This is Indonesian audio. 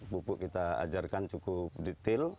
pupuk kita ajarkan cukup detail